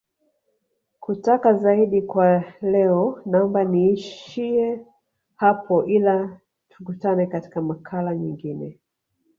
kutaka zaidi kwa leo naomba niishie hapo ila tukutane katika makala nyingine